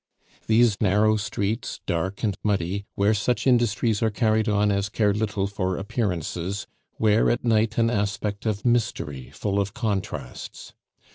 These narrow streets, dark and muddy, where such industries are carried on as care little for appearances wear at night an aspect of mystery full of contrasts.